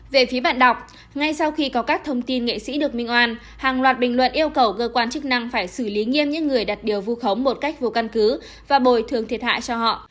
về phía bạn đọc ngay sau khi có các thông tin nghệ sĩ được minh oan hàng loạt bình luận yêu cầu cơ quan chức năng phải xử lý nghiêm những người đặt điều vu khống một cách vô căn cứ và bồi thường thiệt hại cho họ